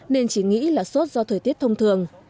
nên chỉ nghĩ là sốt do thời tiết thông thường